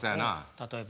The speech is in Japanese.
例えば？